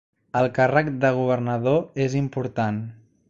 El càrrec de governador és important.